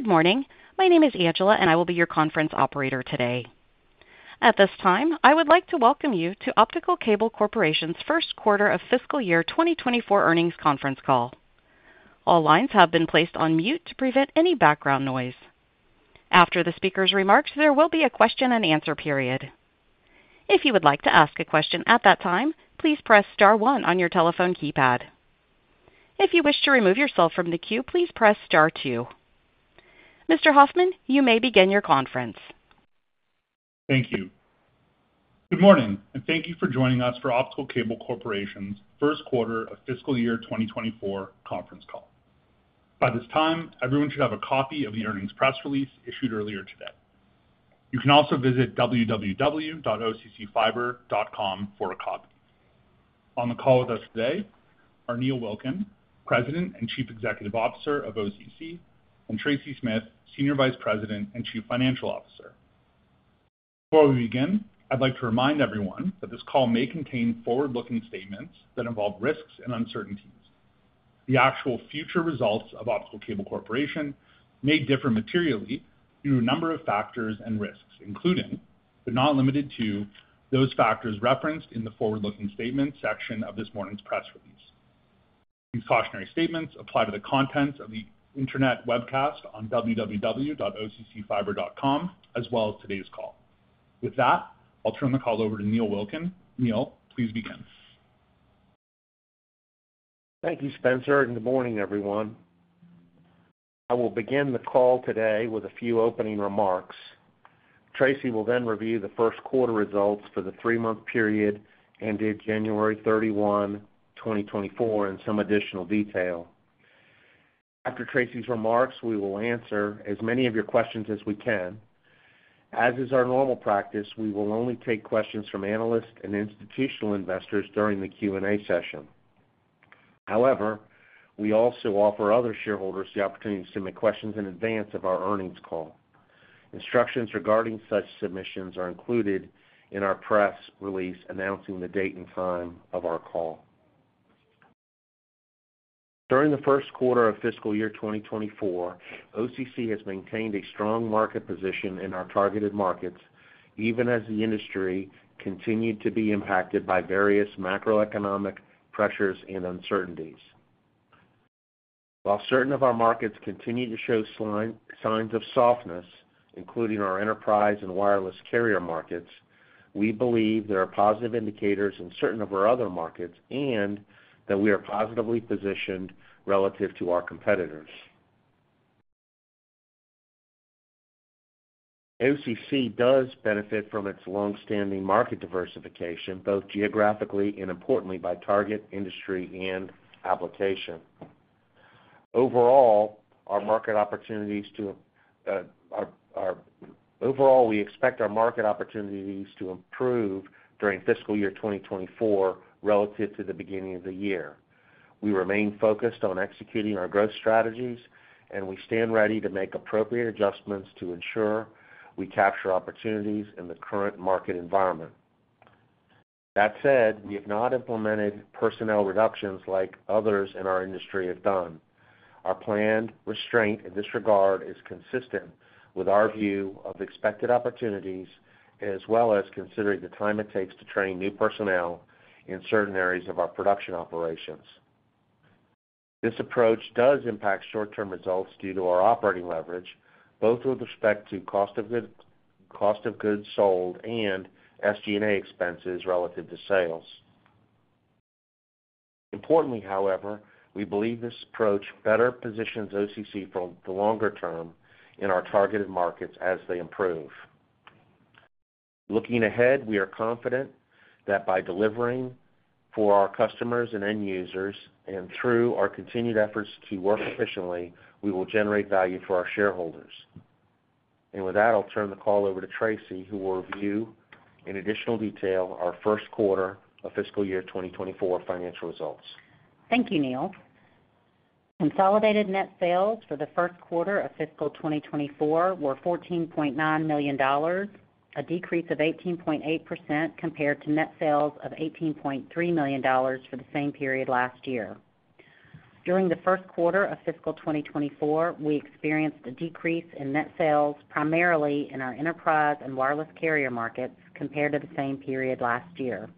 Good morning. My name is Angela, and I will be your conference operator today. At this time, I would like to welcome you to Optical Cable Corporation's first quarter of fiscal year 2024 earnings conference call. All lines have been placed on mute to prevent any background noise. After the speaker's remarks, there will be a question-and-answer period. If you would like to ask a question at that time, please press star one on your telephone keypad. If you wish to remove yourself from the queue, please press star two. Mr. Hoffman, you may begin your conference. Thank you. Good morning, and thank you for joining us for Optical Cable Corporation's first quarter of fiscal year 2024 conference call. By this time, everyone should have a copy of the earnings press release issued earlier today. You can also visit www.occfiber.com for a copy. On the call with us today are Neil Wilkin, President and Chief Executive Officer of OCC, and Tracy Smith, Senior Vice President and Chief Financial Officer. Before we begin, I'd like to remind everyone that this call may contain forward-looking statements that involve risks and uncertainties. The actual future results of Optical Cable Corporation may differ materially due to a number of factors and risks, including, but not limited to, those factors referenced in the forward-looking statements section of this morning's press release. These cautionary statements apply to the contents of the internet webcast on www.occfiber.com, as well as today's call. With that, I'll turn the call over to Neil Wilkin. Neil, please begin. Thank you, Spencer, and good morning, everyone. I will begin the call today with a few opening remarks. Tracy will then review the first quarter results for the three-month period ended January 31, 2024, in some additional detail. After Tracy's remarks, we will answer as many of your questions as we can. As is our normal practice, we will only take questions from analysts and institutional investors during the Q&A session. However, we also offer other shareholders the opportunity to submit questions in advance of our earnings call. Instructions regarding such submissions are included in our press release announcing the date and time of our call. During the first quarter of fiscal year 2024, OCC has maintained a strong market position in our targeted markets, even as the industry continued to be impacted by various macroeconomic pressures and uncertainties. While certain of our markets continue to show signs of softness, including our enterprise and wireless carrier markets, we believe there are positive indicators in certain of our other markets and that we are positively positioned relative to our competitors. OCC does benefit from its longstanding market diversification, both geographically and importantly by target industry and application. Overall, we expect our market opportunities to improve during fiscal year 2024 relative to the beginning of the year. We remain focused on executing our growth strategies, and we stand ready to make appropriate adjustments to ensure we capture opportunities in the current market environment. That said, we have not implemented personnel reductions like others in our industry have done. Our planned restraint in this regard is consistent with our view of expected opportunities, as well as considering the time it takes to train new personnel in certain areas of our production operations. This approach does impact short-term results due to our operating leverage, both with respect to cost of goods sold and SG&A expenses relative to sales. Importantly, however, we believe this approach better positions OCC for the longer term in our targeted markets as they improve. Looking ahead, we are confident that by delivering for our customers and end users and through our continued efforts to work efficiently, we will generate value for our shareholders. With that, I'll turn the call over to Tracy, who will review in additional detail our first quarter of fiscal year 2024 financial results. Thank you, Neil. Consolidated net sales for the first quarter of fiscal 2024 were $14.9 million, a decrease of 18.8% compared to net sales of $18.3 million for the same period last year. During the first quarter of fiscal 2024, we experienced a decrease in net sales primarily in our enterprise and wireless carrier markets compared to the same period last year.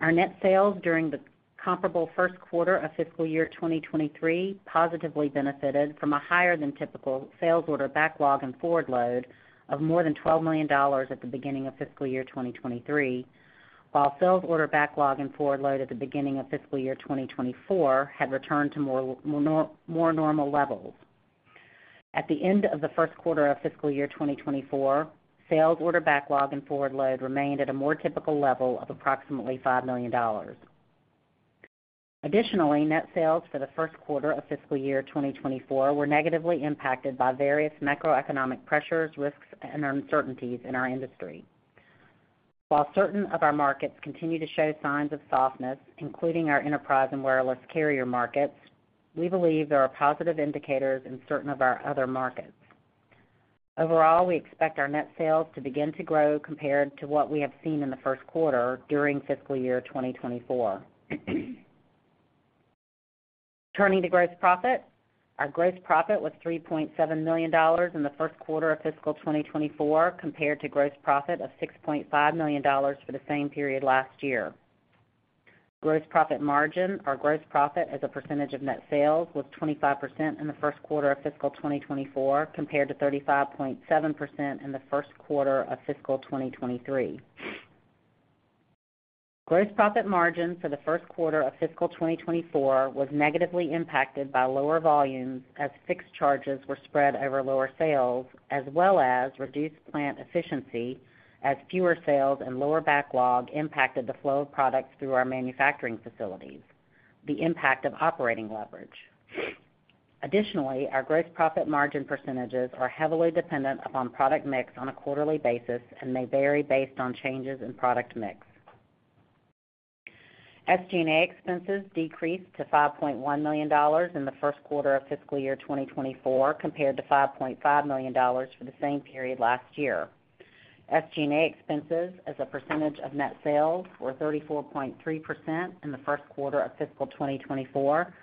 Our net sales during the comparable first quarter of fiscal year 2023 positively benefited from a higher-than-typical sales order backlog and forward load of more than $12 million at the beginning of fiscal year 2023, while sales order backlog and forward load at the beginning of fiscal year 2024 had returned to more normal levels. At the end of the first quarter of fiscal year 2024, sales order backlog and forward load remained at a more typical level of approximately $5 million. Additionally, net sales for the first quarter of fiscal year 2024 were negatively impacted by various macroeconomic pressures, risks, and uncertainties in our industry. While certain of our markets continue to show signs of softness, including our enterprise and wireless carrier markets, we believe there are positive indicators in certain of our other markets. Overall, we expect our net sales to begin to grow compared to what we have seen in the first quarter during fiscal year 2024. Turning to gross profit, our gross profit was $3.7 million in the first quarter of fiscal 2024 compared to gross profit of $6.5 million for the same period last year. Gross profit margin, or gross profit as a percentage of net sales, was 25% in the first quarter of fiscal 2024 compared to 35.7% in the first quarter of fiscal 2023. Gross profit margin for the first quarter of fiscal 2024 was negatively impacted by lower volumes as fixed charges were spread over lower sales, as well as reduced plant efficiency as fewer sales and lower backlog impacted the flow of products through our manufacturing facilities, the impact of operating leverage. Additionally, our gross profit margin percentages are heavily dependent upon product mix on a quarterly basis and may vary based on changes in product mix. SG&A expenses decreased to $5.1 million in the first quarter of fiscal year 2024 compared to $5.5 million for the same period last year. SG&A expenses as a percentage of net sales were 34.3% in the first quarter of fiscal 2024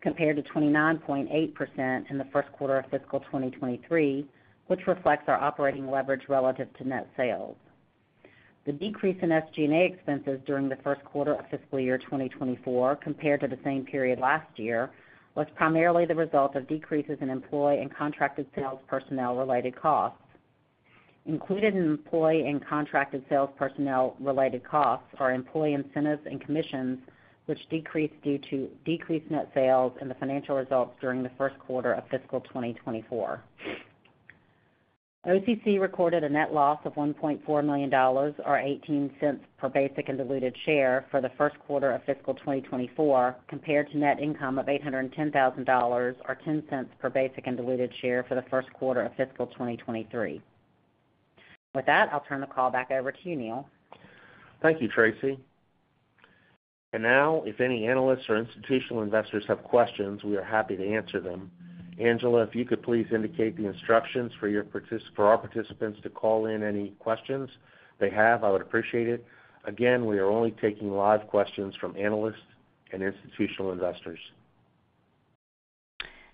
compared to 29.8% in the first quarter of fiscal 2023, which reflects our operating leverage relative to net sales. The decrease in SG&A expenses during the first quarter of fiscal year 2024 compared to the same period last year was primarily the result of decreases in employee and contracted sales personnel-related costs. Included in employee and contracted sales personnel-related costs are employee incentives and commissions, which decreased due to decreased net sales in the financial results during the first quarter of fiscal 2024. OCC recorded a net loss of $1.4 million, or $0.18 per basic and diluted share, for the first quarter of fiscal 2024 compared to net income of $810,000, or $0.10 per basic and diluted share, for the first quarter of fiscal 2023. With that, I'll turn the call back over to you, Neil. Thank you, Tracy. Now, if any analysts or institutional investors have questions, we are happy to answer them. Angela, if you could please indicate the instructions for our participants to call in any questions they have, I would appreciate it. Again, we are only taking live questions from analysts and institutional investors.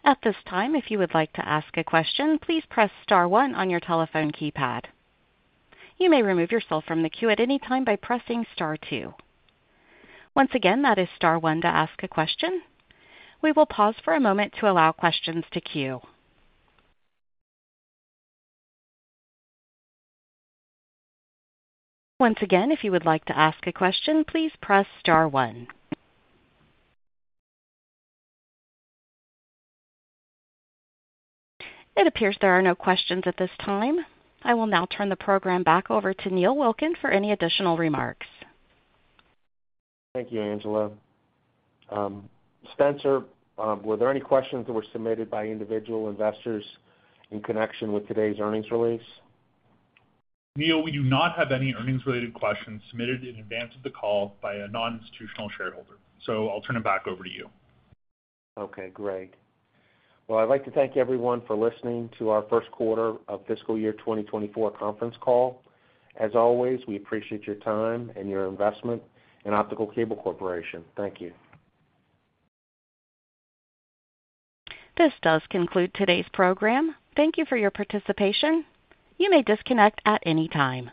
At this time, if you would like to ask a question, please press star one on your telephone keypad. You may remove yourself from the queue at any time by pressing star two. Once again, that is star one to ask a question. We will pause for a moment to allow questions to queue. Once again, if you would like to ask a question, please press star one. It appears there are no questions at this time. I will now turn the program back over to Neil Wilkin for any additional remarks. Thank you, Angela. Spencer, were there any questions that were submitted by individual investors in connection with today's earnings release? Neil, we do not have any earnings-related questions submitted in advance of the call by a non-institutional shareholder. So I'll turn it back over to you. Okay, great. Well, I'd like to thank everyone for listening to our first quarter of fiscal year 2024 conference call. As always, we appreciate your time and your investment in Optical Cable Corporation. Thank you. This does conclude today's program. Thank you for your participation. You may disconnect at any time.